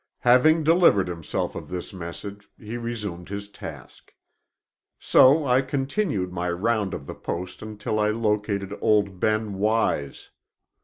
Having delivered himself of this message, he resumed his task. So I continued my round of the post until I located old Ben Wise.